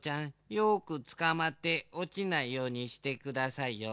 よくつかまっておちないようにしてくださいよ。